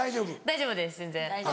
大丈夫です全然。